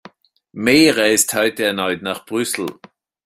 May reist heute erneut nach Brüssel